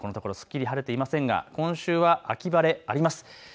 このところすっきり晴れていませんが今週は秋晴れ、あります。